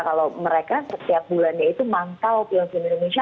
kalau mereka setiap bulannya itu mantau film film indonesia